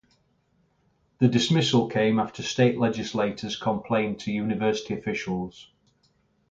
The dismissal came after state legislators complained to university officials.